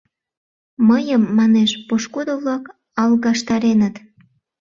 «Мыйым, манеш, пошкудо-влак алгаштареныт».